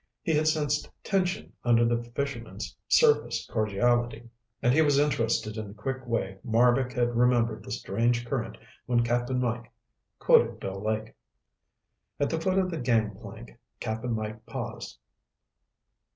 He had sensed tension under the fisherman's surface cordiality, and he was interested in the quick way Marbek had remembered the strange current when Cap'n Mike quoted Bill Lake. At the foot of the gangplank, Cap'n Mike paused.